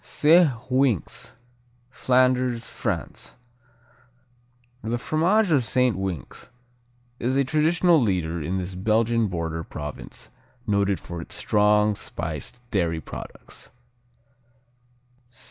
Saint Winx Flanders, France The fromage of Saint Winx is a traditional leader in this Belgian border province noted for its strong, spiced dairy products.